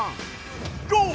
ゴー！